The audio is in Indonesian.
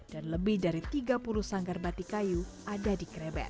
dan lebih dari tiga puluh sanggar batik kayu ada di krebet